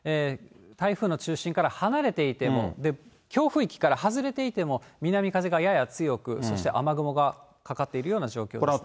台風の中心から離れていても、強風域から外れていても、南風がやや強く、そして雨雲がかかっているような状況です。